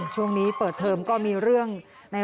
ช่วงนี้เปิดเทิมก็มีเรื่องในรั้วโรงเรียนมาผม